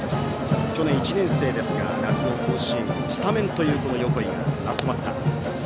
去年１年生ですが夏の甲子園スタメンという横井がラストバッター。